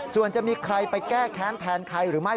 ส่วนจะมีใครไปแก้แค้นแทนใครหรือไม่